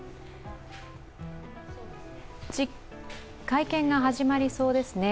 会見が始まりそうですね